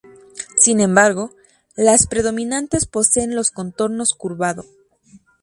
Sin embargo, las predominantes poseen los contornos curvado.